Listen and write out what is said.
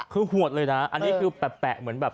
คือหวดเลยนะอันนี้คือแปะเหมือนแบบ